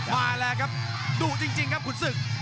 มาแล้วครับดุจริงครับขุนศึก